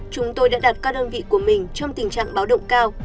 chúng tôi đã đặt các đơn vị của mình trong tình trạng báo động cao